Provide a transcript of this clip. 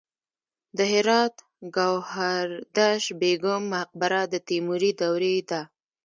د هرات ګوهردش بیګم مقبره د تیموري دورې ده